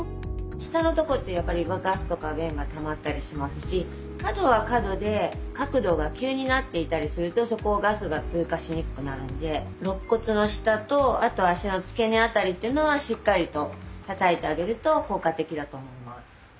下のとこってやっぱりガスとか便がたまったりしますし角は角で角度が急になっていたりするとそこをガスが通過しにくくなるんで肋骨の下とあと脚の付け根あたりっていうのはしっかりとたたいてあげると効果的だと思います。